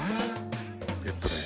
えっとね。